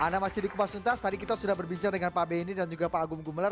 anak masyidik pak suntas tadi kita sudah berbincang dengan pak benny dan juga pak agung gumular